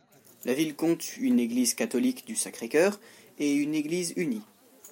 La ville compte une église catholique du Sacré-Cœur et une église unie.